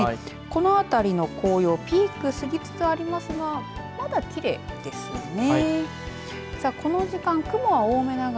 この辺りの紅葉ピークを過ぎつつありますがまだ、きれいですね。